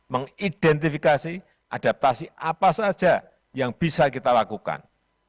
mengidentifikasi adaptasi apa saja yang bisa kita lakukan